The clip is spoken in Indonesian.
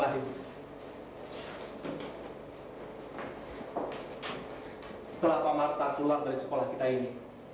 setelah pak marta keluar dari sekolah kita ini